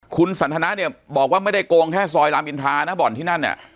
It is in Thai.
คุณสันทนาเนี่ยบอกว่าไม่ได้โกงแค่ซอยรามอินทรานะบ่อนที่นั่นเนี่ย